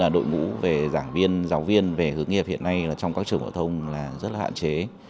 đội ngũ về giảng viên giáo viên về hướng nghiệp hiện nay trong các trường phổ thông là rất là hạn chế